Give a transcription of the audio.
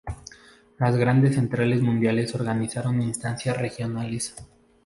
Las grandes centrales mundiales organizaron instancias regionales.